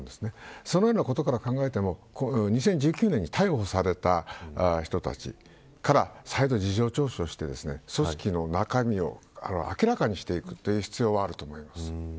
そのようなことから考えても２０１９年に逮捕された人たちから再度、事情聴取をして組織の中身を明らかにしていくという必要あると思います。